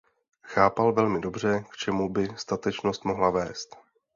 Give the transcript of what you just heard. Chápal velmi dobře, k čemu by statečnost mohla vést.